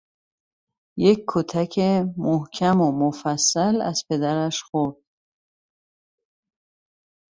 یک کتک محکم و مفصل از پدرش خورد